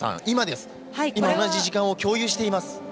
今です、今、同じ時間を共有しています。